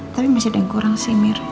tapi masih ada yang kurang sih mir